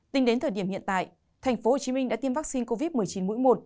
tính đến thời điểm hiện tại thành phố hồ chí minh đã tiêm vaccine covid một mươi chín mũi một